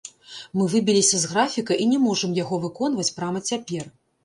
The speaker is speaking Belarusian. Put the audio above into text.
Мы выбіліся з графіка і не можам яго выконваць прама цяпер.